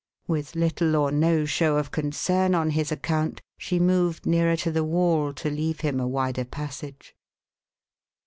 With little or no show of concern on his account, she moved nearer to the wall to leave him a wider passage.